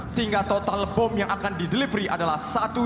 sehingga total bomb yang akan didelivery adalah satu lima